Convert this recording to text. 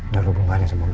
dan hubungannya sama gue